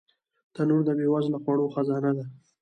تنور د بې وزله خوړو خزانه ده